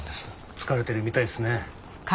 疲れてるみたいっすね。